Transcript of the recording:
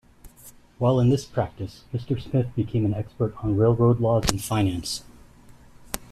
While in this practice, Mr. Smith became an expert on railroad law and finance.